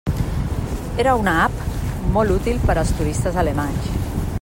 Era una app molt útil per als turistes alemanys.